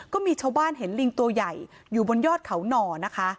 ก็มีชาวบ้านเห็นลิงตัวใหญ่อยู่บนยอดเขาหน่อนะคะ